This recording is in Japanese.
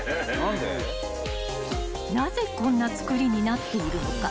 ［なぜこんな造りになっているのか］